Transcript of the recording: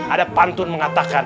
ada pantun mengatakan